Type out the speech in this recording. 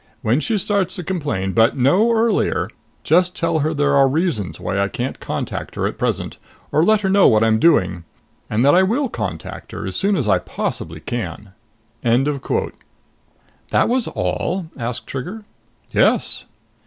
When she starts to complain but no earlier just tell her there are reasons why I can't contact her at present, or let her know what I'm doing, and that I will contact her as soon as I possibly can.' End of quote." "That was all?" asked Trigger. "Yes."